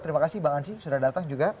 terima kasih bang ansyi sudah datang juga